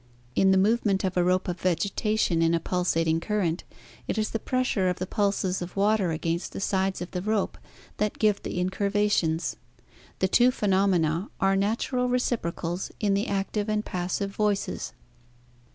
In the movement of a rope of vegetation in a pulsating current, it is the pressure of the pulses of water against the sides of the rope that give the incurvations. The two phenom ena are natural reciprocals in the active and passive voices.